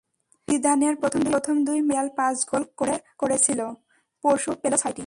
জিদানের প্রথম দুই ম্যাচে রিয়াল পাঁচ গোল করে করেছিল, পরশু পেল ছয়টি।